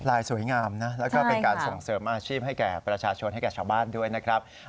สวยงามนะแล้วก็เป็นการส่งเสริมอาชีพให้แก่ประชาชนให้แก่ชาวบ้านด้วยนะครับ